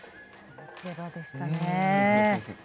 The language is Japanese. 見せ場でしたね。